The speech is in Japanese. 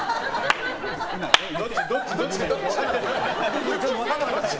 どっち？